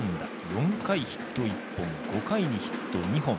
４回、ヒット１本５回にヒット２本。